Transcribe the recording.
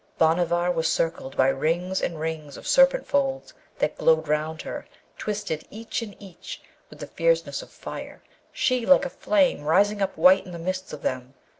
Bhanavar was circled by rings and rings of serpent folds that glowed round her, twisted each in each, with the fierceness of fire, she like a flame rising up white in the midst of them.